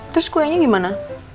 terus kuenya gimana